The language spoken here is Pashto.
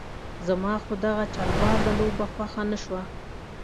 زما خو دغه چلبازه لوبه خوښه نه شوه.